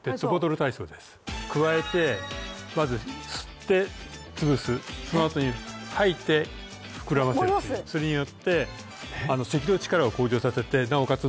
はいくわえてまず吸って潰すそのあとに吐いて膨らませるっていうそれによって咳の力を向上させてなおかつ